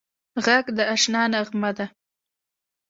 غږ د اشنا نغمه ده